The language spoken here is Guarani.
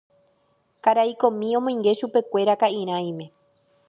Karai komi omoinge chupekuéra ka'irãime.